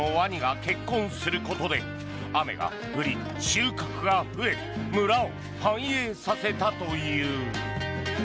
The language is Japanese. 村長と王女のワニが結婚することで雨が降り、収穫が増え村を反映させたという。